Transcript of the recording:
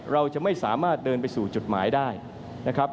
เราจะไม่สามารถเดินไปสู่จุดหมายได้นะครับ